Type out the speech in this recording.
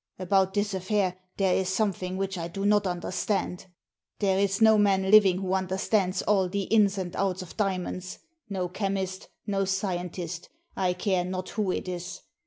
About this affair there is something which I do not understand.' There is no man living who understands all the inns and outs of diamonds — no chemist, no scientist, I care not who it is.